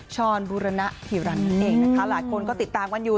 ชรบุรณฑิรันนั่นเองนะคะหลายคนก็ติดตามกันอยู่